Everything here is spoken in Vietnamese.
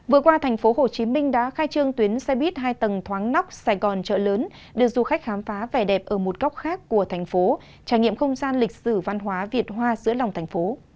vừa qua thành phố hồ chí minh đã khai trương tuyến xe buýt hai tầng thoáng nóc sài gòn chợ lớn đưa du khách khám phá vẻ đẹp ở một góc khác của thành phố trải nghiệm không gian lịch sử văn hóa việt hoa giữa lòng thành phố